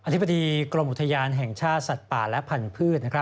ธิบดีกรมอุทยานแห่งชาติสัตว์ป่าและพันธุ์